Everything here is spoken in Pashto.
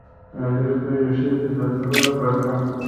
علي خپلې ښځې ته طلاق ورکړ.